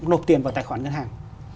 nộp tiền vào tài khoản ngân hàng